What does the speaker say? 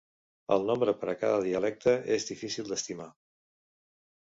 El nombre per a cada dialecte és difícil d'estimar.